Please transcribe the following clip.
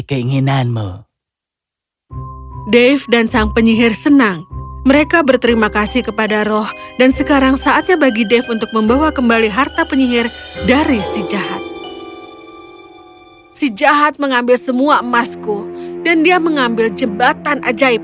kau akan menjadi lebih besar atau lebih kecil sesuai